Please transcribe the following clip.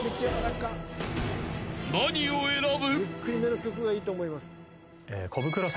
［何を選ぶ？］